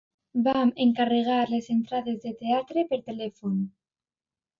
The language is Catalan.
Vam encarregar les entrades de teatre per telèfon.